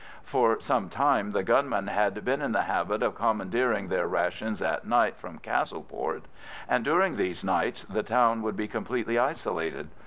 For some time the gunmen had been in the habit of commandeering their rations at night from Castleport, and during these nights the town would be completely isolated.